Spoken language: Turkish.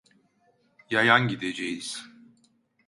Yayan gideceğiz…